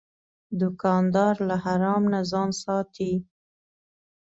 دوکاندار له حرام نه ځان ساتي.